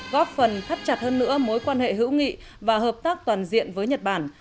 góp phần thắt chặt hơn nữa mối quan hệ hữu nghị và hợp tác toàn diện với nhật bản